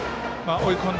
追い込んだ